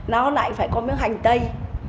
nó lại phải có miếng hành tây